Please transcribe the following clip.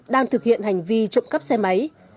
đang thực hiện hành vi trộm cắp xe máy